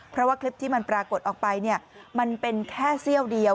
เพราะว่าคลิปที่มันปรากฏออกไปมันเป็นแค่เสี้ยวเดียว